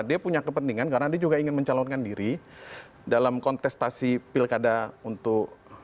dia punya kepentingan karena dia juga ingin mencalonkan diri dalam kontestasi pilkada untuk